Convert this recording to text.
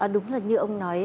đúng là như ông nói